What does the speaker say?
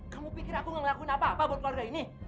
kamu pikir aku ngelakuin apa apa buat keluarga ini